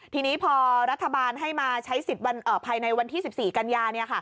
ทีนี้พอรัฐบาลให้มาใช้สิทธิ์ภายในวันที่๑๔กันยา